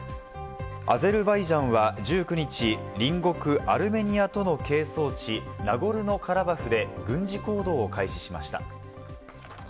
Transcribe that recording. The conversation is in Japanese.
アゼルバイジャンは１９日、隣国・アルメニアとの係争地・ナゴルノカラバフで軍事行動を開始しました。